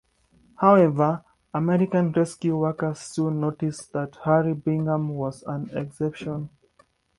However, American rescue workers soon noticed that "Harry" Bingham was an exception.